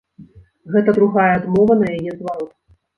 Гэта другая адмова на яе зварот.